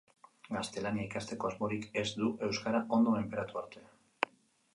Gaztelania ikasteko asmorik ez du euskara ondo menperatu arte.